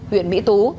huyện mỹ tú